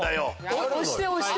押して押して！